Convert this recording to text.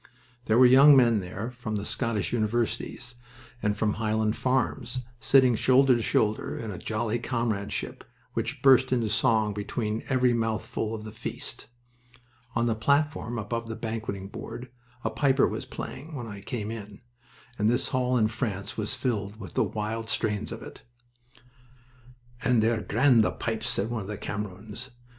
There were young men there from the Scottish universities and from Highland farms, sitting shoulder to shoulder in a jolly comradeship which burst into song between every mouthful of the feast. On the platform above the banqueting board a piper was playing, when I came in, and this hall in France was filled with the wild strains of it. "And they're grand, the pipes," said one of the Camerons.